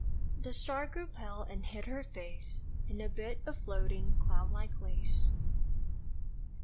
The star grew pale and hid her face In a bit of floating cloud like lace.